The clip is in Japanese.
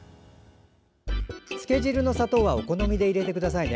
つけ汁の砂糖はお好みで入れてくださいね。